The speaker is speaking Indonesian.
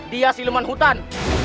dia siluman hutan